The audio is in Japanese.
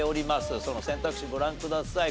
その選択肢ご覧ください。